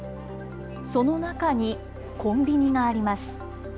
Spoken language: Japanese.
その中にコンビニがあります。